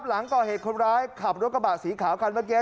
หลังก่อเหตุคนร้ายขับรถกระบะสีขาวคันเมื่อกี้